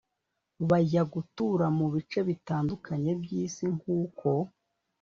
bajya gutura mu bice bitandukanye by isi nk uko